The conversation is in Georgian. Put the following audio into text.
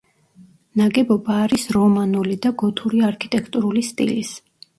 ნაგებობა არის რომანული და გოთური არქიტექტურული სტილის.